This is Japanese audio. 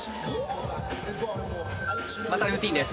またルーティーンです。